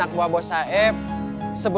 aku suka diamudin apapun